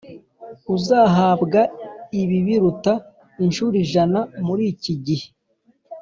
Uzahabwa ibibiruta incuro ijana muri iki gihe